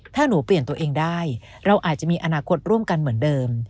ถ้าหนูเปลี่ยนตัวเองได้เราอาจจะมีอนาคตร่วมกันเหมือนเดิม